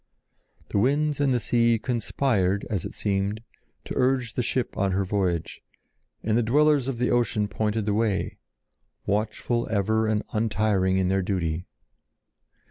The winds and the sea conspired, as it seemed, to urge the ship on her voyage, and the dwellers of the ocean pointed the way, watchful ever and untiring in their duty.